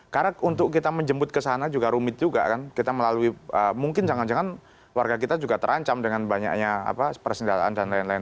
karena untuk kita menjemput ke sana juga rumit juga kan kita melalui mungkin jangan jangan warga kita juga terancam dengan banyaknya persenjalaan dan lain lain